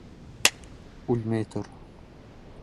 Үлмәй тор.